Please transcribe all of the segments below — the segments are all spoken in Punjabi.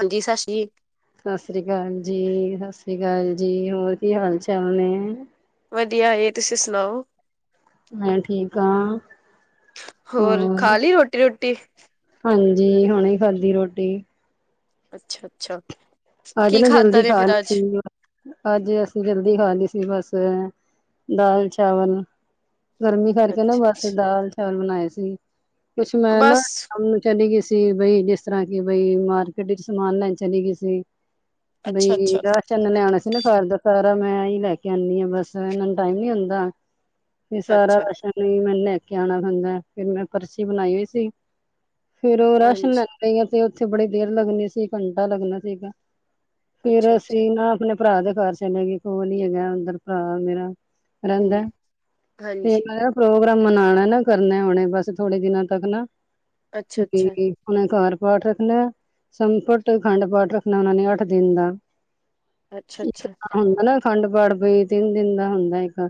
ਹਾਂਜੀ ਸਤਿ ਸ਼੍ਰੀ ਸਤਿ ਸ਼੍ਰੀ ਅਕਾਲ ਜੀ-ਸਤਿ ਸ਼੍ਰੀ ਅਕਾਲ ਜੀ, ਹੋਰ ਕੀ ਹਾਲ ਚਾਲ ਨੇੇ? ਵਧੀਆ ਇਹ ਤੁਸੀਂ ਸੁਣਾਓ? ਮੈਂ ਠੀਕ ਆਂ। ਹੋਰ, ਖਾਲੀ ਰੋਟੀ-ਰੁੱਟੀ? ਹਾਂਜੀ। ਹੁਣੇ ਖਾਦੀ ਰੋਟੀ। ਅੱਛਾ-ਅੱਛਾ। ਅੱਜ ਨਾ ਜਲਦੀ ਖਾ ਲੀਸੀ। ਅੱਜ ਅਸੀਂ ਜਲਦੀ ਖਾਲੀ ਸੀ, ਬਸ। ਦਾਲ-ਚਾਵਲ। ਗਰਮੀ ਕਰਕੇ ਨਾ ਅੱਛਾ ਬਸ ਅੱਛਾ ਦਾਲ-ਚਾਵਲ ਬਣਾਏ ਸੀ, ਕੁਛ ਮੈਂ ਨਾ ਬਸ ਚਲੀ ਗਈ ਸੀ ਬਈ, ਜਿਸ ਤਰ੍ਹਾਂ ਕਿ ਬਈ, ਮਾਰਕੀਟ'ਚ ਸਮਾਨ ਲੈਣ ਚਲੀ ਗਈ ਸੀ। ਦਹੀਂ ਅੱਛਾ ਅੱਛਾ ਵੀਗ ਚੰਨ ਲਿਆਉਣਾ ਸੀ ਨਾ ਘਰ ਦਾ, ਸਾਰਾ ਮੈਂ ਈ ਲੈਕੇ ਆਂਨੀ ਆਂ ਬਸ, ਇਹਨਾ ਨੂੰ ਟਾਈਮ ਨੀ ਹੁੰਦਾ। ਤੇ ਅੱਛਾ ਸਾਰਾ ਅੱਛਾ ਰਾਸ਼ਨ ਮੈਨੰ ਲੈਕੇ ਆਣਾ ਪੈਂਦਾ, ਫਿਰ ਮੈਂ ਪਰਚੀ ਬਣਾਈ ਹੋਈ ਸੀ ਫਿਰ ਉਹ ਰਾਸ਼ਨ ਹਾਂਜੀ ਲੈਗ ਗਈ ਆਂ, ਤੇ ਉੱਥੇ ਬੜੀ ਦੇਰ ਲੱਗਣੀ ਸੀ, ਘੰਟਾ ਲੱਗਣਾ ਸੀਗਾ। ਫਿਰ ਅੱਛਾ ਅੱਛਾ ਅਸੀਂ ਨਾ ਆਪਣੇ ਭਰਾ ਦੇ ਘਰ ਚਲੇ ਗਏ, ਕੋਲ ਹੀ ਹੈਗਾ ਓਧਰ ਭਰਾ ਮੇਰਾ। ਹਮ ਰਹਿੰਦਾ, ਤੇ ਹਾਂਜੀ ਲਾਇਆ ਪ੍ਰੋਗਰਾਮ ਮਨਾਣਾ ਨਾ ਕਰਨੈ ਹੁਣੇ, ਬਸ ਥੋੜੇ ਦਿਨਾਂ ਤੱਕ ਨਾ ਅੱਛਾ ਬੀ ਅੱਛਾ ਓਨਾ ਘਰ ਪਾਠ ਰੱਖਣਾ, ਸੰਪਟ ਅਖੰਡ ਪਾਠ ਰੱਖਣਾ ਉਹਨਾ ਨੇ, ਅੱਠ ਦਿਨ ਦਾ। ਅੱਛਾ ਅੱਛਾ ਹੁੰਦਾ ਨਾ, ਖੰਡ ਪਾਠ ਬਈ ਤਿੰਨ ਦਿਨ ਦਾ ਹੁੰਦਾ, ਇੱਕ।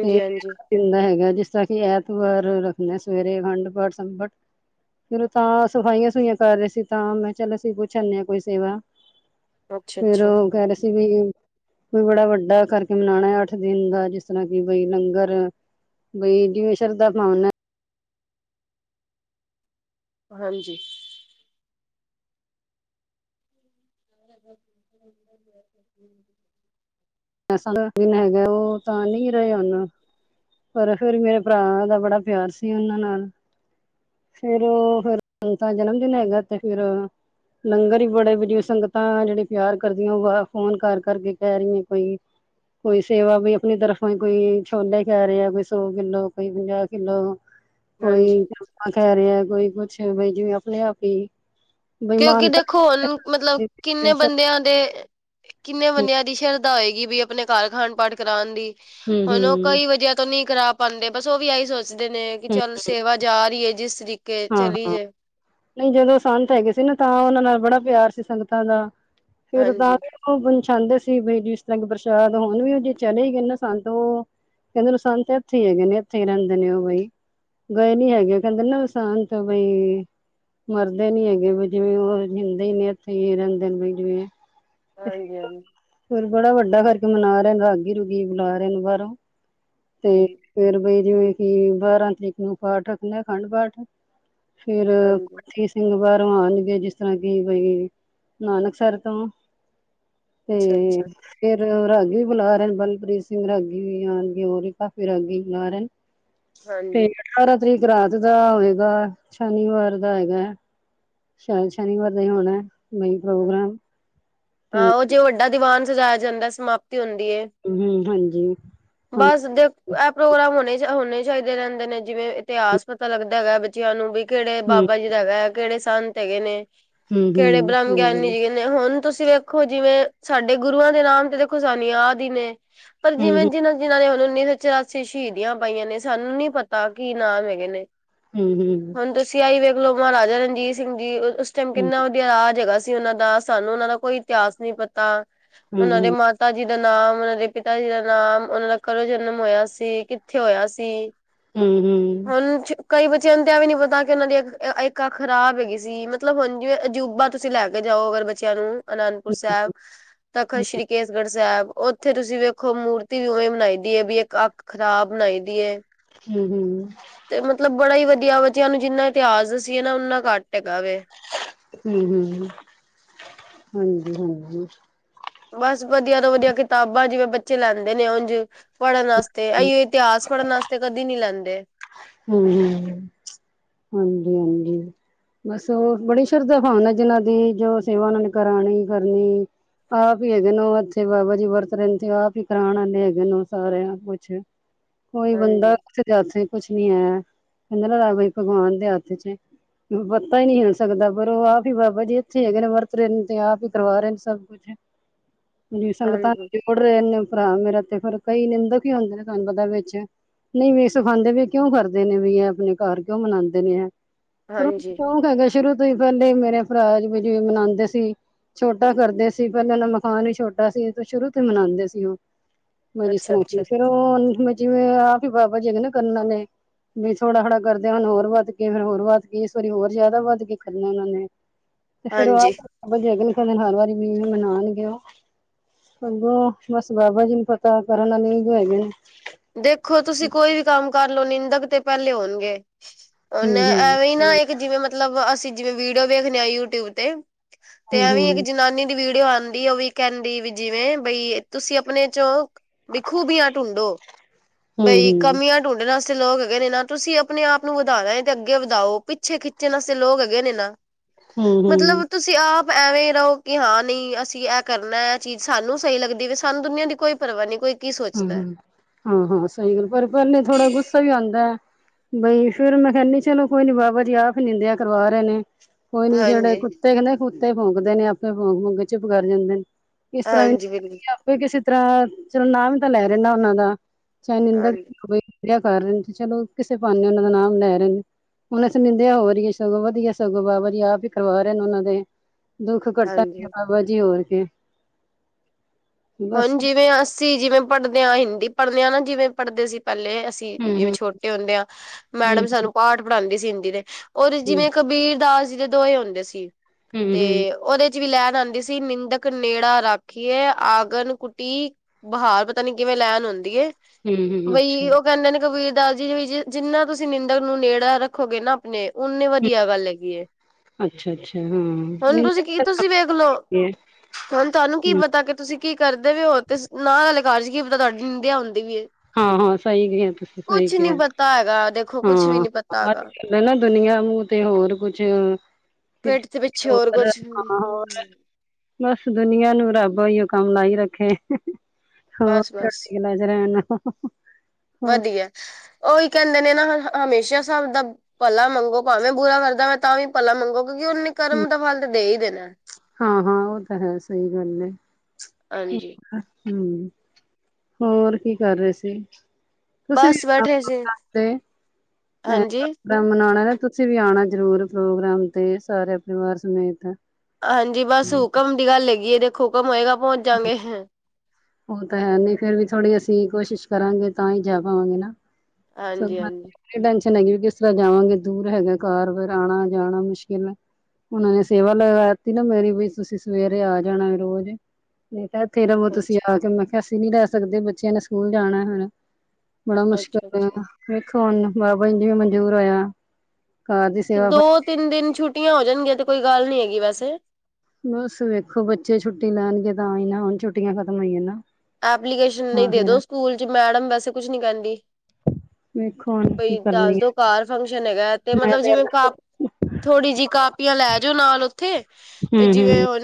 ਤੇ ਦਿਨ ਦਾ ਹੈਗਾ, ਜਿਸ ਤਰ੍ਹਾਂ ਕਿ, ਐਤਵਾਰ ਰੱਖਨੈ, ਸਵੇਰੇ ਅਖੰਡ ਪਾਠ ਸੰਪਟ। ਚਲੋ ਤਾਂ ਸਫਾਈਆਂ-ਸੂਫਈਆਂ ਕਰ ਰਹੇ ਸੀ ਤਾਂ, ਮੈਂ ਚੱਲ ਅਸੀਂ ਪੁੱਛ ਆਂਨੇ ਆ, ਕੋਈ ਸੇਵਾ। ਅੱਛਾ ਫਿਰ ਅੱਛਾ ਉਹ ਕਹਿ ਰਹੇ ਸੀ, ਵੀ ਕੋਈ ਬੜਾ ਵੱਡਾ ਕਰਕੇ ਮਨਾਣਾ ਅੱਠ ਦਿਨ ਦਾ, ਜਿਸ ਤਰ੍ਹਾਂ ਕਿ ਬਈ ਲੰਗਰ ਬਈ, ਜਿਂਵੇ ਸ਼ਰਧਾ-ਭਾਵਨਾ ਏ। ਹਾਂਜੀ। [inaudible] ਐਸਾ ਦਿਨ ਹੈਗਾ, ਉਹ ਤਾਂ ਨਹੀਂ ਰਹੇ ਹੁਨ। ਪਰ, ਫਿਰ ਮੇਰੇ ਭਰਾ ਦਾ ਬੜਾ ਪਿਆਰ ਸੀ, ਉਹਨਾਂ ਨਾਲ। ਫਿਰ ਉਹ, ਫਿਰ ਹੁਣ ਤਾਂ ਜਨਮਦੀਨ ਹੈਗਾ ਤੇ, ਫਿਰ ਲੰਗਰ ਈ ਬੜੇ-ਬੜੀਆ ਸੰਗਤਾਂ ਜਿਹੜੇ ਪਿਆਰ ਕਰਦੀਆਂ, ਉਹ ਫੋਨ ਕਰ-ਕਰਕੇ ਕਹਿ ਰਹੀਆਂ ਕੋਈ। ਕੋਈ ਸੇਵਾ ਵੀ ਆਪਣੀ ਤਰਫੋਂ ਈ ਕੋਈ, ਛੋਲੇ ਕਿਹ ਰਿਹਾ, ਕੋਈ ਸੌ-ਕਿੱਲੋ, ਕੋਈ ਪੰਜਾਹ ਕਿੱਲੋ। ਹਾਂਜੀ ਕੋਈ [inaudible] ਕਹਿ ਰਿਹਾ, ਕੋਈ ਕੁਛ ਬਈ, ਜਿਵੇਂ ਆਪਣੇ ਆਪ ਈ। ਕਿਉਂਕਿ ਦੇਖੋ ਹੁਣ, ਮਤਲਬ, ਕਿੰਨੇ ਹੂੰ, ਬੰਦਿਆਂ ਦੇ ਕਿੰਨੇ ਬੰਨਿਆਂ ਦੀ ਸ਼ਰਧਾ ਹੋਏਗੀ ਵੀ, ਅਪਣੇ ਘਰ ਅਖੰਡ ਪਾਠ ਕਰਾਣ ਦੀ। ਹੂੰ, ਹੁਨ ਉਹ, ਹੂੰ, ਕਈ ਵਜ੍ਹਾ ਤੋਂ ਨਹੀ ਕਰਾ ਪਾਂਦੇ, ਬਸ, ਉਹ ਵੀ ਆਹੀ ਸੋਚ ਦੇ ਨੇ ਕਿ ਹੂੰ, ਚੱਲ ਸੇਵਾ ਜਾਰੀ ਏ ਜਿਸ ਤਰੀਕੇ, ਚਲੀ ਜਾਏ। ਨਈ ਜਦੋਂ ਸੰਤ ਹੈਗੇ ਸੀ ਨਾ, ਤਾਂ ਉਹਨਾਂ ਨਾਲ ਬੜਾ ਪਿਆਰ ਸੀ ਸੰਗਤਾਂ ਦਾ, ਫਿਰ ਤਾਂ ਹਾਂਜੀ ਉਹ ਬਣਛਾਂਦੇ ਸੀ ਬਈ ਜਿਸ ਤਰ੍ਹਾਂ ਕੀ ਪਰਸ਼ਾਦ, ਹੁਣ ਵੀ, ਉਹ ਜੇ ਚਲੇ ਗਏ ਨਾ ਸੰਤ ਉਹ ਕਹਿੰਦੇ ਨੇ ਓ ਸੰਤ ਇੱਥੇ ਹੈਗੇ ਨੇ, ਇੱਥੇ ਈ ਰਹਿੰਦੇ ਨੇ ਉਹ ਬਈ। ਗਏ ਨੀ ਹੈਗੇ, ਕਹਿੰਦੇਨ ਨਾ ਸੰਤ ਬਈ ਮਰਦੇ ਨੀ ਹੈਗੇ, ਵੀ ਜਿਵੇਂ ਉਹ, ਜੀੰਦੇ ਈ ਨੇ ਐਥੇ ਈ ਰਹਿੰਦੇਨ ਬਈ ਜਿਂਵੇ ਹਾਂਜੀ ਹਾਂਜੀ ਫੇਰ ਬੜਾ ਵੱਡਾ ਕਰਕੇ ਮਨਾ ਰਹੇ ਨੇ, ਰ੍ਹਾਗੀ-ਰ੍ਹਗੀ ਬੁਲਾ ਰਹੇ ਨੇ ਬਾਹਰੋਂ। ਤੇ ਹਮ ਫਿਰ ਬਈ ਜਿਵੇਂ ਕਿ, ਬਾਰਾਂ ਤਰੀਕ ਨੂੰ ਪਾਠ ਰੱਖਣਾ, ਅਖੰਡ ਪਾਠ। ਫਿਰ, ਹਾਂਜੀ ਪਾਠੀ ਸਿੰਘ ਬਾਹਰੋਂ ਆਣਗੇ ਜਿਸ ਤਰ੍ਹਾਂ ਕਿ ਬਈ, ਨਾਨ਼ਕਸਰ ਤੋਂ। ਅੱਛਾ ਤੇ ਅੱਛਾ ਫਿਰ, ਰ੍ਹਾਗੀ ਵੀ ਬੁਲਾ ਰਹੇ ਨੇ, ਬਲਪ੍ਰੀਤ ਸਿੰਘ ਰ੍ਹਾਗੀ ਵੀ ਆਣ ਤੇ ਹੋਰ ਈ, ਪਾ ਰ੍ਹਾਗੀ ਬੁਲਾਰੇਨ, ਤੇ ਹਾਂਜੀ ਅਠਾਰਾਂ ਤਰੀਕ ਰਾਤ ਦਾ ਹੋਏਗਾ, ਸ਼ਨੀਵਾਰ ਦਾ ਹੈਗਾ। ਸ਼ਾਇਦ ਸ਼ਨੀਵਾਰ ਦਾ ਹੋਣੈ, ਮਈ ਪ੍ਰੋਗਰਾਮ। ਤੇ ਹਾਂ ਉਹ ਜੇ ਵੱਡਾ ਦੀਵਾਨ ਸਜਾਇਆ ਜਾਂਦਾ ਸਮਾਪਤੀ ਹੁੰਦੀ ਏ। ਹੂੰ ਹਾਂਜੀ। ਹਾਂ ਬਸ ਦੇ ਇਹ ਪ੍ਰੋਗਰਾਮ ਹੋਣੇ 'ਚ ਹੋਣੇ ਚਾਈਦੇ ਰਹਿੰਦੇ ਨੇ ਜਿਵੇਂ ਇਤਿਹਾਸ ਪਤਾ ਲੱਗਦਾ ਹੈਗਾ ਅ ਬਚੇ ਬੱਚਿਆਂ ਨੂੰ ਵੀ ਕਿਹੜੇ ਹਮ ਬਾਬਾ ਜੀ ਦਾ ਹੈਗਾ ਐ, ਕਿਹੜੇ ਸੰਤ ਹੈਗੇ ਨੇ, ਹਮ ਕਿਹੜੇ ਹਮ ਬ੍ਰਹਮ ਸਹੀ ਗਿਆਨੀ ਗੱਲ ਜੀ ਹੁਣ ਤੁਸੀਂ ਵੇਖੋ ਜਿਵੇਂ ਸਾਡੇ ਗੁਰੂਆਂ ਦੇ ਨਾਮ ਤੇ ਦੇਖੋ ਸਾਨੂੰ ਯਾਦ ਈ ਨੇ। ਪਰ ਜਿਵੇਂ ਹਮ ਜਿੰਨਾ ਜਿਨ੍ਹਾਂ ਨੇ ਹੁਣ ਉੱਨੀ ਸੌ ਚੁਰਾਸੀ ਸ਼ਹੀਦੀਆਂ ਪਾਈਆਂ ਨੇ ਸਾਨੂੰ ਨੀ ਪਤਾ ਕੀ ਨਾਮ ਹੈਗੇ ਨੇ। ਹੂੰ, ਹੂੰ। ਹੁਣ ਤੁਸੀਂ ਆਈ ਵੇਖਲੋ ਮਹਾਰਾਜ਼ਾ ਰਣਜੀਤ ਸਿੰਘ ਜੀ, ਅ ਉਸ ਟਾਈਮ ਹੂੰ, ਕਿੰਨਾ ਰਾਜ ਹੈਗਾ ਸੀ ਉਹਨਾਂ ਦਾ, ਸਾਨੂੰ ਉਹਨਾਂ ਦਾ ਕੋਈ ਇਤੀਹਾਸ ਨਹੀ ਪਤਾ, ਹੂੰ, ਉਹਨਾਂ ਦੇ ਹੂੰ, ਮਾ ਮਾਤਾ ਜੀ ਦਾ ਨਾਮ, ਉਹਨਾਂ ਦੇ ਪਿਤਾ ਜੀ ਦਾ ਨਾਮ ਉਹਨਾਂ ਦਾ ਕਦੋਂ ਜਨਮ ਹੋਇਆ ਸੀ, ਕਿੱਥੇ ਹੋਇਆ ਸੀ। ਹੂੰ- ਹੂੰ ਹੁਣ ਕਈ ਬੱਚਿਆਂ ਨੂੰ ਤਾਂ ਇਹ ਵੀ ਨੀ ਪਤਾ ਕਿ ਉਹਨਾਂ ਦੀ ਇਕ ਅ ਇਕ ਅੱਖ ਖਰਾਬ ਹੈਗੀ ਸੀ ਮਤਲਬ ਹੁਣ ਜਿਵੇਂ ਅਜੂਬਾ ਤੁਸ ਤੁਸੀਂ ਲੈ ਕੇ ਜਾਓ ਅਗਰ ਬੱਚਿਆਂ ਨੂੰ। ਅਨੰਦਪੁਰ ਸਾਹਿਬ, ਤਖਤ ਸ਼੍ਰੀ ਕੇਸਗੜ੍ਹ ਸਾਹਿਬ ਉੱਥੇ ਤੁਸੀਂ ਵੇਖੋ ਮੂਰਤ ਮੂਰਤੀ ਵੀ ਉਵੇਂ ਬਣਾਈ ਦੀ ਏ ਵੀ ਇੱਕ ਅੱਖ ਖ਼ਰਾਬ ਬਣਾਈ ਦੀ ਏ। ਹੂੰ -ਹੂੰ ਤੇ ਮਤਲਬ ਬੜਾ ਈ ਵਧੀਆ ਉਹਨੂੰ ਜਿੰਨਾ ਇਤਿਹਾਸ ਦਸੀਏ ਨਾ ਉਨਾ ਘੱਟ ਹੈਗਾ ਵੇ। ਹੂੰ -ਹੂੰ, ਹੂੰ, ਹਾਂਜੀ-ਹਾਂਜੀ। ਬਸ ਵਧੀਆ ਤੋਂ ਵਧੀਆ ਕਿਤਾਬਾਂ ਜਿਵੇਂ ਬੱਚੇ ਲੈਂਦੇ ਨੇ ਉੰਝ ਪੜ੍ਹਨ ਵਾਸਤੇ, ਇਹੀਓ ਇਤਿਹਾਸ ਪੜ੍ਹਨ ਵਸਤੇ ਕਦੇ ਨੀ ਲੈਂਦੇ। ਹੂੰ -ਹੂੰ, ਹਾਂਜੀ-ਹਾਂਜੀ। ਬਸ ਉਹ ਬੜੀ ਸ਼ਰਧਾ ਭਾਵਨਾ ਜਿਨਾਂ ਦੀ ਜੋ ਸੇਵਾ ਉਹਨਾਂ ਨੇ ਕਰਾਉਣੀ ਕਰਨੀ। ਆਪ ਈ ਹੈਗੇ ਨੇ ਇੱਥੇ ਬਾਬਾ ਜੀ ਵਰਤ ਰਹਿੰਦੇ ਆ ਕੀ ਕਰਾਉਣ ਆਉਦੇ ਹੈਗੇ ਨੇ ਸਾਰਿਆਂ ਕੁਛ। [inaudible] ਕੋਈ ਬੰਦਾ ਹਾਂਜੀ ਕਿਸੇ ਦੇ ਹੱਥ 'ਚ ਕੁਛ ਨੀ ਕਹਿੰਦਾ ਨਾ ਰਾਵਈ ਭਗਵਾਨ ਦੇ ਹੱਥ 'ਚ ਨੇ। ਪਤਾ ਈ ਨੀ ਹੁਣ ਸਕਦਾ ਪਰ ਉਹ ਆਪ ਈ ਬਾਬਾ ਜੀ ਇੱਥੇ ਹੈਗੇ ਨੇ ਵਰਤ ਰੇਅ ਨੇ ਤੇ ਆਪ ਈ ਕਰਵਾ ਰੇ ਨੇ ਸਭ ਕੁਛ। [inaudible] ਜੀ ਸੰਗਤਾਂ ਹਾਂਜੀ ਉੱੜ ਰਿਹਾ ਨੇ ਭਰਾ ਮੇਰਾ ਤੇ ਫੇਰ ਕਈ ਨਿੰਦਕ ਈ ਹੁੰਦੇ ਨੇ ਤੁਹਾਨੂੰ ਪਤਾ ਵਿੱਚ, ਨਈ ਵੇਖ ਸਿਖਾਂਉਦੇ ਵੀ ਕਿਉਂ ਕਰਦੇ ਨੇ ਵੀ ਇਹ ਆਪਣੇ ਘਰ ਕਿਉਂ ਮਨਾਂਉਦੇ ਨੇ, ਫਿਰ ਹਾਂਜੀ [inaudible] ਸ਼ੁਰੂ ਤੋਂ ਈ ਪਹਿਲੇ ਮੇਰੇ ਭਰਾ ਜੀ ਮਨਾਉਂਦੇ ਸੀ। ਛੋਟਾ ਕਰਦੇ ਸੀ ਪਹਿਲਾਂ ਇੰਨਾ ਮਕਾਨ ਵੀ ਛੋਟਾ ਸੀ ਤੇ ਸ਼ੁਰੂ ਤੋਂ ਮਨਾਂਉਦੇ ਸੀ ਉਹ। ਮੀ ਅੱਛਾ ਅੱਛਾ ਸੁਣਾ ਫੇਰ ਉਹ ਮ ਜ ਆਪੀ ਬਾਬਾ ਜੀ ਹੈਗੇ ਨੇ ਕਰਨ ਅਲੇ [unintelligible] ਵੀ ਥੋੜਾ-ਥੋੜਾ ਕਰਦੇ ਹੁਣ ਹੋਰ ਵੱਧ ਕੇ ਫਿਰ ਹੋਰ ਵੱਧ ਕੇ ਇਸ ਵਾਰੀ ਹੋਰ ਜ਼ਿਆਦਾ ਵੱਧ ਕੇ ਕਰਨਾ ਉਹਨਾਂ ਨੇ। ਤੇ ਫੇਰ ਐਹ ਹਾਂਜੀ ਬਾਬਾ ਜੀ ਹੈਗੇ ਨੇ ਫਿਰ ਮੈਨੂੰ ਹਰ ਵਾਰੀ ਵੀ ਮਨਾਣਾ ਲੱਗੇਗਾ। ਅ ਬਸ ਬਾਬਾ ਜੀ ਨੂੰ ਪਤਾ ਕਰਨ ਕਰਨ ਵਾਲੇ ਹੀ ਹੈਗੇ ਨੇ। ਦੇਖੋ ਤੁਸੀਂ ਕੋਈ ਵੀ ਕੰਮ ਕਰਲੋ ਨਿੰਦਕ ਤੇ ਪਹਿਲੇ ਹੋਣਗੇ। ਉਹਨੇ ਹੂੰ-ਹੂੰ, ਐਵੀ ਨਾ ਇੱਕ ਜਿਵੇਂ ਮਤਲਬ ਅਸੀਂ ਜਿਵੇਂ ਵੀਡੀਓ ਵੇਖਣੇ ਆ ਯੂਟਿਊਬ ਤੇ ਤੇ ਐਵੀ ਇੱਕ ਹੂੰ-ਹੂੰ, ਜਨਾਨੀ ਦੀ ਵੀਡੀਓ ਆਂਉਦੀ ਦੀ ਉਵੀ ਕਹਿੰਦੀ ਵੀ ਜਿਵੇਂ, ਬਈ ਤੁਸੀਂ ਆਪਣੇ ਚੋਂ ਬ ਖੂਬੀਆਂ ਢੂੰਡੋ। ਬਈ ਹੂੰ-ਹੂੰ, ਕਮੀਆ ਢੂੰਡਣ ਵਾਸਤੇ ਲੋਕ ਹੈਗੇ ਨੇ ਨਾ ਤੁਸੀਂ ਆਪਣੇ ਆਪ ਨੂੰ ਵਧਾਣਾ ਏ ਤੇ ਅੱਗੇ ਵਧਾਓ, ਪਿੱਛੇ ਖਿੱਚਣ ਵਾਸਤੇ ਲੋਕ ਹੈਗੇ ਨੇ ਨਾ। ਹੂੰ-ਹੂੰ, ਮਤਲਬ ਤ ਤੁਸੀਂ ਆਪ ਐਵੇਂ ਰਹੋ ਕਿ ਹਾਂ ਨਈ ਅਸੀਂ ਐਹ ਕਰਨਾ ਇਹ ਚੀਜ਼ ਸਾਨੂੰ ਸਹੀ ਲੱਗਦੀ ਵੀ ਸਾਨੂੰ ਦੁਨੀਆਂ ਦੀ ਕੋਈ ਪਰਵਾਹ ਨੀ, ਕੋਈ ਕੀ ਸੋਚਦਾ ਐ। ਹੂੰ-ਹੂੰ। ਹਾਂ-ਹਾਂ ਸਹੀ ਗੱਲ ਪਰ ਪਹਿਲੇ ਥੋੜਾ ਗੁੱਸਾ ਵੀ ਆਂਉਦਾ ਅ। ਬਈ ਫੇਰ ਮੈਂ ਕਹਿੰਦੀ ਚਲੋ ਕੋਈ ਨੀ ਬਾਬਾ ਜੀ ਆਪ ਨਿੰਦਿਆ ਕਰਵਾ ਰਹੇ ਨੇ। ਕੋਈ ਨੀ ਜਿਹੜੇ ਹਾਂਜੀ ਕੁੱਤੇ ਨੇ ਕੁੱਤੇ ਭੋਂਕਦੇ ਨੇ ਆਪੇ ਭੋਂਕ ਭੂਂਕ ਕੇ ਚੁਪ ਕਰ ਜਾਂਦੇ ਨੇ। ਕਿਸ ਤਰ੍ਹਾਂ ਵੀ ਹਾਂਜੀ ਬਿਲਕੁਲ ਆਪੀ ਕਿਸੀ ਤਰ੍ਹਾਂ ਚਲੋ ਨਾਮ ਤਾਂ ਲੈ ਰਹੇ ਨਾ ਉਹਨਾਂ ਦਾ। ਚਾਹੇ ਨਿੰਦਾ ਹਾਂਜੀ ਕਰਨੀ ਹੋਵੇ ਕਰ ਰਹੇ ਨੇ ਚਲੋ ਕਿਸੇ ਬਹਾਨੇ ਉਹਨਾਂ ਦਾ ਨਾਮ ਲੈ ਰਹੇ ਨੇ। ਹੁਣ ਅਸੀ ਨਿੰਦਿਆ ਹੋ ਰਹੀਏ ਚਲੋ ਵਧੀਆ ਸਗੋਂ ਬਾਬਾ ਜੀ ਆਪ ਈ ਕਰਵਾ ਰਹੇ ਨੇ ਉਹਨਾਂ ਦੇ। ਦੁੱਖ ਕੱਟਣਗੇ ਹਾਂਜੀ। ਬਾਬਾ ਜੀ, ਹੋਰ ਕੀ। ਹੁਣ ਜਿਵੇਂ ਅਸੀਂ ਜਿਵੇਂ ਪੜ੍ਹਦੇ ਆ ਹਿੰਦੀ ਪੜ੍ਹਨੇ ਆ ਨਾ ਜਿਵੇਂ ਪੜ੍ਹਦੇ ਸੀ ਪਹਿਲੇ ਅਸੀ ਜਿਵੇਂ ਹੂੰ-ਹੂੰ, ਛੋਟੇ ਹੁੰਦੇ ਆ ਮੈਡਮ ਹੂੰ-ਹੂੰ, ਸਾਨੂੰ ਪਾਠ ਪੜ੍ਹਾਂਦੀ ਸੀ ਹਿੰਦੀ ਦੇ ਔਰ ਜਿਵੇਂ ਕਬੀਰ ਦਾਸ ਜੀ ਦੇ ਦੋਹੇ ਹੁੰਦੇ ਸੀ, ਹੂੰ-ਹੂੰ, ਤੇ ਉਹਦੇ ਜਿਵੀ ਲਈਨ ਆਂਦੀ ਸੀ ਕੇ ਨਿੰਦਕ ਨੇੜਾ ਰਾਖੀਏ ਆ ਗਨ ਕੁੱਟੀ ਬਹਾਵ ਪਤਾ ਨੀ ਕਿਵੇਂ ਲਈਨ ਹੁੰਦੀ ਏ, ਹੂੰ-ਹੂੰ ਬਈ ਅੱਛਾ। ਉਹ ਕਹਿੰਦੇ ਨੇ ਕਬੀਰ ਦਾ ਜੀ ਜਿੰਨਾ ਤੁਸੀਂ ਨਿੰਦਕ ਨੂੰ ਨੇੜਾ ਰੱਖੋਗੇ ਨਾ ਆਪਣੇ ਓਨੇ ਵਧੀਆ ਗੱਲ ਹੈਗੀ ਐ। ਅੱਛਾ-ਅੱਛਾ ਤੁਸੀਂ ਵੇਖ ਲਓ [unintelligible] ਹਾਂ ਹੁਣ ਤੁਹਾਨੂੰ ਕੀ ਹਮ, ਪਤਾ ਕਿ ਤੁਸੀਂ ਕੀ ਕਰਦੇ ਵੇ ਓ ਤੇ ਨਾ ਆਲੇ ਕਰ 'ਚ ਕੀ ਪਤਾ ਤੁਹਾਡੀ ਨਿੰਦਿਆ ਹੁੰਦੀ ਪੀ ਏ। ਹਾਂ-ਹਾਂ ਸਹੀ ਕਿਹਾ ਤੁਸੀਂ ਸਈ ਕੁਛ ਨੀ ਕਿਹਾ, ਪਤਾ ਹੈਗਾ ਦੇਖੋ ਕੁਛ ਵੀ ਹਾਂ। ਨੀ ਪਤਾ ਹੈਗਾ ਏ ਨਾ ਦੁਨੀਆਂ ਨੂੰ ਤੇ ਹੋਰ ਕੁਛ ਪੇਟ ਦੇ ਪਿੱਛੇ ਹੋਰ ਕੁਛ [unintelligible] ਬਸ ਦੁਨੀਆਂ ਨੂੰ ਰੱਬ ਅਈਓ ਕੰਮ ਲਾਈ ਰੱਖੇ। ਹੋਰ ਬਸ-ਬਸ [unintelligible] ਵਧੀਐ ਉਹੀ ਕਹਿੰਦੇ ਨੇ ਨਾ ਹਮੇਸ਼ਾ ਸਾਬ ਦਾ ਭਲਾ ਮੰਗੋ ਭਾਵੇਂ ਬੁਰਾ ਕਰਦਾ ਐ ਤਾਂ ਵੀ ਭਲਾ ਮੰਗੋ। ਕਿਉਕਿ ਉਹਨੇ ਕਰਮ ਦਾ ਫਲ ਤਾਂ ਦੇ ਈ ਦੇਣਾ। ਹਾਂ-ਹਾਂ ਉਹ ਤਾਂ ਹੈ ਸਈ ਗੱਲ ਏ। ਹਾਂਜੀ ਹੂੰ, ਹੋਰ ਕੀ ਕਰ ਰੇ ਸੀ? ਤੁਸੀ ਬਸ [unintelligible] ਬੈਠੇ ਸੀ ਵੀ ਅ ਹਾਂਜੀ। ਪ੍ਰੋਗਰਾਮ ਬਨਾਣਾ ਨਾ ਤੁਸੀਂ ਵੀ ਆਂਣਾ ਜ਼ਰੂਰ ਪ੍ਰੋਗਰਾਮ ਤੇ ਸਾਰੇ ਪਰਿਵਾਰ ਸਮੇਤ। ਹਾਂਜੀ ਬਸ ਹੁਕਮ ਦੀ ਗੱਲ ਹੈਗੀ ਏ ਦੇਖੋ ਹੁਕਮ ਹੋਏਗਾ ਪਹੁੰਚ ਜਾਂਗੇ। ਉਹ ਤਾਂ ਹੈ ਨਈ ਫੇਰ ਵੀ ਥੋੜ੍ਹੀ ਅਸੀਂ ਕੋਸ਼ਿਸ਼ ਕਰਾਂਗੇ ਤਾਂ ਈ ਜਾ ਪਾਵਾਂਗੇ ਨਾ। ਹਾਂਜੀ-ਹਾਂਜੀ। ਏ ਟੇਂਸ਼ਨ ਹੈਗੀ ਵੀ ਕਿਸ ਤਰ੍ਹਾਂ ਜਾਵਾਂਗੇ ਦੂਰ ਹੈਗਾ ਕਾਰ ਵਿਚ ਆਣਾ-ਜਾਣਾ ਮੁਸ਼ਕਿਲ ਐ। ਉਹਨਾਂ ਨੇ ਸੇਵਾ ਲਗਾ ਦਿੱਤੀ ਨਾ ਮੇਰੀ ਵੀ ਤੁਸੀਂ ਸਵੇਰੇ ਆ ਜਾਣਾ ਰੋਜ਼। ਨਹੀਂ ਤਾਂ ਐਥੇ ਰਵੋ ਤੁਸੀਂ ਆ ਕੇ ਮੈਂ ਅਸੀਂ ਨੀ ਰੈ ਸਕਦੇ ਬੱਚਿਆਂ ਨੇ ਸਕੂਲ ਜਾਣਾ ਹਣ, ਬੜਾ ਮੁਸ਼ਕਿਲ ਅੱਛਾ-ਅੱਛਾ-ਅੱਛਾ ਵੇਖੋ ਹੁਣ, ਬਾਬਾ ਜੀ ਨੂੰ ਜਿਵੇੰ ਮਨਜੂਰ ਹੋਇਆ! ਕਾਰ ਦੀ ਸੇਵਾ ਫ ਦੋ-ਤਿੰਨ ਦਿਨ ਛੁੱਟੀਆਂ ਹੋ ਜਾਣਗੀਆਂ ਤੇ ਕੋਈ ਗੱਲ ਨੀ ਹੈਗੀ ਵੈਸੇ ਬਸ ਵੇਖੋ ਬੱਚੇ ਛੁੱਟੀ ਲੈਣਗੇ ਤਾਂ ਹੀ ਨਾ, ਹੁਣ ਛੁੱਟੀਆਂ ਖ਼ਤਮ ਹੋਈਆਂ ਨਾ! ਐਪਲੀਕੇਸ਼ਨ ਲਯੀ ਹਾਂ ਦੇ ਫਿਰ ਦੋ ਸਕੂਲ ਚ! ਮੈਡਮ ਵੈਸੇ ਕੁਛ ਨੀ ਕਹਿੰਦੀ ਮ [inaudible] ਭਈ ਦੱਸ ਦੋ ਘਰ ਫੰਕਸ਼ਨ ਹੈਗਾ, ਤੇ ਹੈ ਮੈਂ ਮਤਲਬ ਜਿਵੇਂ ਕ ਥੋੜ੍ਹੀ ਜਿਹੀ ਕਾਪੀਆਂ ਲੈ ਜਾਓ ਨਾਲ ਉੱਥੇ ਤੇ ਹੂੰ ਜਿਵੇਂ ਹੂੰ ਹੁਣ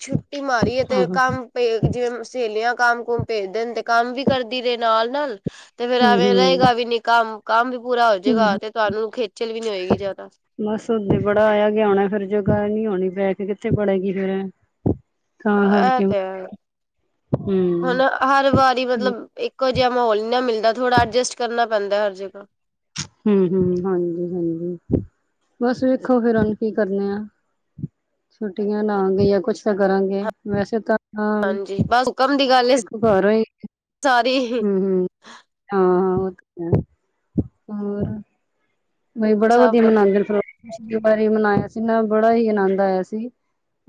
ਛੁੱਟੀ ਮਾਰੀਏ ਤੇ ਹਾਂ ਹਾਂ ਕੰਮ ਜਿਵੇਂ ਸਹੇਲੀਆਂ ਕੰਮ ਕੁਮ ਭੇਜਦੇ, ਤੇ ਕੰਮ ਵੀ ਕਰਦੀ ਰਹੇ ਨਾਲ-ਨਾਲ ਤੇ ਫੇਰ ਐਵੇਂ ਹੂੰ-ਹੂੰ, ਰਹੇਗਾ ਵੀ ਨੀ ਕੰਮ, ਕੰਮ ਵੀ ਪੂਰਾ ਹੋ ਜਾਏਗਾ, ਹੂੰ-ਹੂੰ। ਤੇ ਤੁਹਾਨੂੰ ਖੇਚਲ ਵੀ ਨੀ ਹੋਏਗੀ ਜਿਆਦਾ! ਬਸ ਉੱਦੋ ਬੜਾ ਆਇਆ ਗਿਆ ਹੋਣਾ, ਫੇਰ ਜਗਾ ਨੀ ਹੋਣੀ, ਬੈਗ ਕਿੱਥੇ ਬੜੇਗੀ ਫੇਰ ਹਾਂ ਇਹ ਤੇ ਹੈ ਹੁਣ [unintelligible] ਹਰ ਵਾਰੀ ਮਤਲਬ, ਇੱਕੋ ਜਿਹਾ ਮਾਹੌਲ ਨਾ ਮਿਲਦਾ! ਥੋੜਾ ਐਡਜਸਟ ਕਰਨਾ ਪੈਂਦਾ ਹਰ ਜਗ੍ਹਾ ਹੂੰ ਹੂੰ ਹੂੰ, ਹਾਂਜੀ, ਬਸ ਵੇਖੋ ਫੇਰ ਹੁਣ ਕੀ ਕਰਨੇ ਆ! ਛੁੱਟੀਆਂ ਲਾਂਗੇ, ਜਾਂ ਕੁਛ ਤਾਂ ਕਰਾਂਗੇ, ਵੈਸੇ ਤਾਂ ਹਾਂ ਹਾਂਜੀ! ਬਸ ਹੁਕਮ ਦੀ ਗੱਲ ਏ ਸਾਰੀ ਹਮ! ਹਾਂ, ਹਾਂ ਉਹ ਤੇ ਹੋਰ ਬਈ ਬੜਾ ਵਧੀਆ ਮਨਾਉਂਦੇ ਫਿਰੋ ਵਾਰੀ ਮਨਾਇਆ ਸੀ ਨਾ ਬੜਾ ਹੀ ਆਨੰਦ ਆਇਆ ਸੀ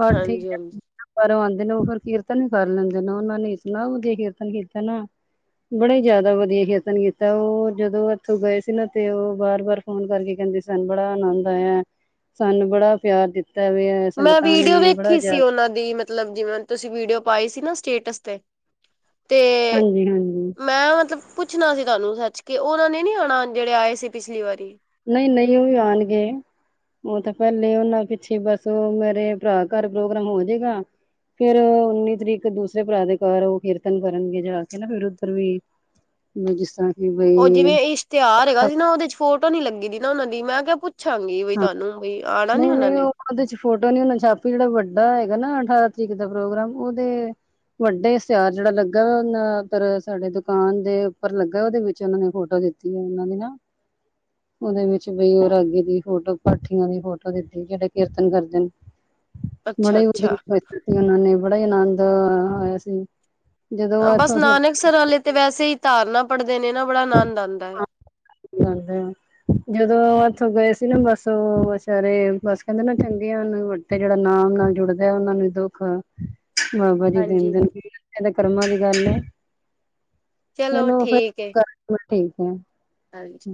ਹੋਰ ਠੀਕ ਹਾਂਜੀ ਹਾਂਜੀ ਹੈ। ਬਾਰੋ ਆਉਂਦੇ ਨੇ ਉਹ, ਫਿਰ ਕੀਰਤਨ ਵੀ ਕਰ ਲੈਂਦੇ ਨੇ, ਉਹਨਾਂ ਨੇ ਇਤਨਾ ਵਾਦੀਆਂ ਕੀਰਤਨ ਕੀਤਾ ਨਾ ਬੜਾ ਹੀ ਜ਼ਿਆਦਾ ਵਧੀਆ ਕੀਰਤਨ ਕੀਤਾ, ਉਹ ਜਦੋਂ ਇੱਥੋਂ ਗਏ ਸੀ ਨਾ, ਤੇ ਉਹ ਬਾਰ-ਬਾਰ ਫੋਨ ਕਰਕੇ ਕਹਿੰਦੇ, ਸਾਨੂੰ ਬੜਾ ਆਨੰਦ ਆਇਆ, ਸਾਨੂੰ ਬੜਾ ਪਿਆਰ ਦਿੱਤਾ ਵੀ ਮੈਂ ਸੰਗਤਾਂ ਨੇ ਵੀਡੀਓ ਬੜਾ ਵੇਖੀ ਸੀ, ਜ਼ਿਆਦਾ ਉਹਨਾਂ ਦੀ ਮਤਲਬ, ਜਿਵੇਂ ਤੁਸੀਂ ਵੀਡੀਓ ਪਾਈ ਸੀ, ਨਾ ਸਟੇਟਸ ਤੇ ਤੇ, ਹਾਂਜੀ ਹਾਂਜੀ ਮੈਂ ਮਤਲਬ ਪੁੱਛਣਾ ਸੀ ਤੁਹਾਨੂੰ, ਸੱਚ, ਕੇ ਉਹਨਾਂ ਨੇ ਨੀ ਆਉਣਾ, ਜਿਹੜੇ ਆਏ ਸੀ, ਪਿਛਲੀ ਵਾਰੀ ਨਹੀਂ ਨਹੀਂ, ਉਹ ਵੀ ਆਉਣਗੇ ਉਹ ਤਾਂ ਪਹਿਲੇ, ਉਹਨਾਂ ਪਿੱਛੇ ਬਸ, ੳ ਮੇਰੇ ਭਰਾ ਘਰ, ਪ੍ਰੋਗਰਾਮ ਹੋ ਜਾਏਗਾ ਫੇਰ ਉੱਨੀ ਤਰੀਕ, ਦੂਸਰੇ ਭਰਾ ਦੇ ਘਰ, ਉਹ ਕੀਰਤਨ ਕਰਨਗੇ ਜਾ ਕੇ, ਫਿਰ ਉੱਧਰ ਵੀ ਨੀ, ਜਿਸ ਤਰਾ ਉਹ ਜਿਵੇਂ ਇਸ਼ਤਿਹਾਰ ਹੈਗਾ ਸੀ, ਨਾ ਉਹਦੇ ਚ ਫੋਟੋ ਨੀ ਲੱਗੀ ਦੀ ਨਾ ਉਹਨਾ ਦੀ, ਮੈਂ ਕਿਹਾ ਪੁੱਛ ਪੁਛਾ ਗੀ ਬਈ ਤੁਹਾਨੂੰ ਵੀ, ਆਣਾ ਨੀ ਨਹੀਂ ਉਹਨਾਂ ਨਹੀਂ ਉਹ ਨੇ? ਉਹਦੇ ਚ ਫੋਟੋ ਨੀ ਉਹਨਾਂ ਛਾਪੀ, ਜਿਹੜਾ ਵੱਡਾ ਹੈਗਾ ਨਾ ਅਠਾਰਾਂ ਤਰੀਕ ਦਾ ਪ੍ਰੋਗਰਾਮ, ਉਹਦੇ ਵੱਡੇ ਇਸ਼ਤਿਆਰ ਜਿਹੜਾ ਲੱਗਾ, ਉਦਰ ਸਾਡੇ ਦੁਕਾਨ ਦੇ ਉੱਪਰ ਲੱਗਾ, ਉਹਦੇ ਵਿੱਚ ਉਹਨਾਂ ਨੇ ਫੋਟੋ ਦਿੱਤੀ ਤੇ, ਉਹਨਾਂ ਨੇ ਨਾ [inaudible] ਉਹਦੇ ਵਿੱਚ ਬਈ, ਹੋਰ ਆਗੇ ਦੀ ਫੋਟੋ ਪਾਠੀਆਂ, ਦੀ ਫੋਟੋ ਦਿੱਤੀ, ਜਿਹੜੇ ਕੀਰਤਨ ਕਰਦੇ ਨੇ ਬੜੇ ਅੱਛਾ ਹੀ ਉਦੇ ਅੱਛਾ ਤੇ, ਉਹਨਾਂ ਨੇ ਬੜਾ ਹੀ, ਆਨੰਦ, ਆਇਆ ਸੀ ਜਦੋਂ ਬਸ ਇੱਥੋਂ ਕੀਰਤਨ ਨਾਨਕਸਰ ਵਾਲੇ, ਤੇ ਵੈਸੇ ਹੀ ਧਾਰਨਾ ਪੜ੍ਹਦੇ ਨੇ ਨਾ, ਬੜਾ ਆਨੰਦ ਆਉਂਦਾ ਏ [inaudible] ਜਦੋ ਏਥੋਂ ਗਏ ਸੀ ਨਾ ਬਸ ਓ ਵਿਚਾਰੇ ਬਸ ਕਹਿੰਦੇ ਨਾ ਚੰਗੇ ਹਨ, ਵੱ ਤੇ ਜਿਹੜਾ ਨਾਮ ਨਾਲ ਜੁੜਦਾ ਓਹਨਾਂ ਨੂੰ ਦੁੱਖ ਬਾਬਾ ਜੀ ਹਾਂਜੀ ਕਹਿੰਦੇ ਏ ਤਾਂ ਕਰਮਾਂ ਦੀ ਗੱਲ ਐ ਚਲੋ ਫਿਰ ਠੀਕ ਹੈ ਤੂੰ ਠੀਕ ਐਂ। ਹਾਂਜੀ।